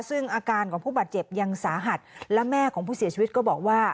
ซึ่งอาการของผู้บาดเจ็บยังสาหัสและแม่ของผู้เสียชีวิตก็บอกว่า